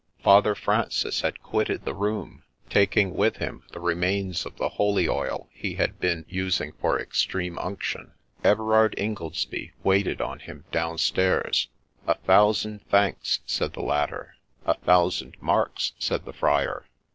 Father Francis had quitted the room, taking with him the remains of the holy oil he had been using for Extreme Unction. Everard Ingoldsby waited on him down stairs. ' A thousand thanks !' said the latter. 4 A thousand marks !' said the Friar.